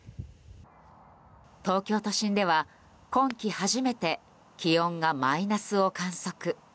東京都心では今季初めて気温がマイナスを観測。